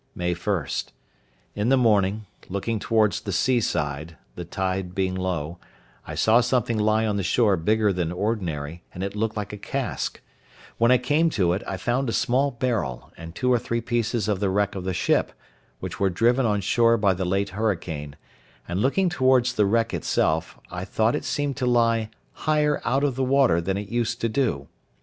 May 1.—In the morning, looking towards the sea side, the tide being low, I saw something lie on the shore bigger than ordinary, and it looked like a cask; when I came to it, I found a small barrel, and two or three pieces of the wreck of the ship, which were driven on shore by the late hurricane; and looking towards the wreck itself, I thought it seemed to lie higher out of the water than it used to do.